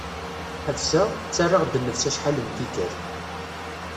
Ḥebbseɣ, ttarraɣ-d nnefs acḥal n tikkal.